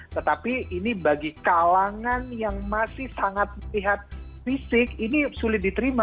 tetapi ini bagi kalangan yang masih sangat melihat fisik ini sulit diterima